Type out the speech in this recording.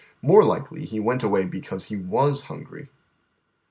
More likely he went away because lie was hungry.